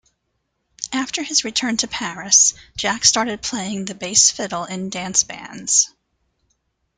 After his return to Paris, Jack started playing the bass fiddle in dance bands.